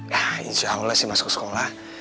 ya insya allah sih masuk sekolah